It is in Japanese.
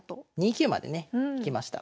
２九までね引きました。